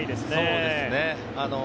そうですね。